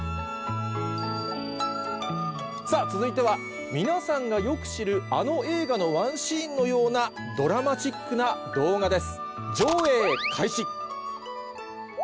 続いては皆さんがよく知るあの映画のワンシーンのようなドラマチックな動画です。